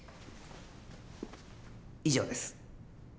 以上です。